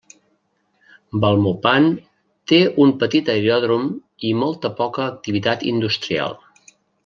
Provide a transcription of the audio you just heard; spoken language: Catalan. Belmopan té un petit aeròdrom i molt poca activitat industrial.